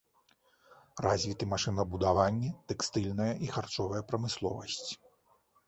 Развіты машынабудаванне, тэкстыльная і харчовая прамысловасць.